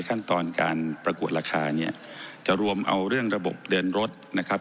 ขั้นตอนการประกวดราคาเนี่ยจะรวมเอาเรื่องระบบเดินรถนะครับ